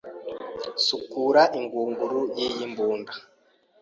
Sukura ingunguru yimbunda.